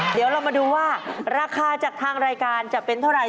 เดี๋ยวเรามาดูว่าราคาจากทางรายการจะเป็นเท่าไร